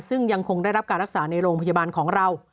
ซึ่งยังคงได้รับการรักษาในโรงพยาบาลของเรา